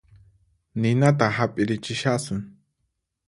Ninata hap'irichishasun